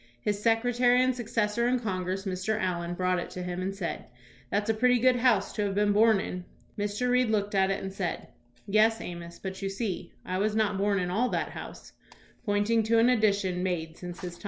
His secretary and successor in Congress, Mr. Allen, brought it to him and said, " That's a pretty good house to have been born in." Mr. Reed looked at it and said, "Yes, Amos; but, you see, I was not born in all that house," pointing to an addition made since his time.